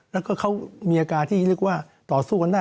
แล้วก็เขามีอาการที่เรียกว่าต่อสู้กันได้